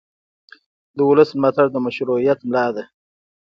د ولس ملاتړ د مشروعیت ملا ده